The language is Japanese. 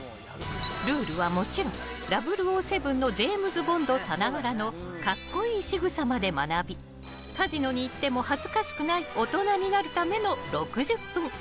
ルールはもちろん「００７」のジェームズ・ボンドさながらの格好いいしぐさまで学びカジノに行っても恥ずかしくない大人になるための６０分。